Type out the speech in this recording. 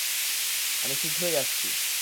আমি শীঘ্রই আসছি।